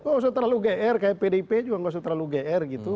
oh terlalu gr kayak pdp juga nggak terlalu gr gitu